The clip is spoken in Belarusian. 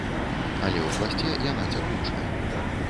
Але ў пласце яна цякучая.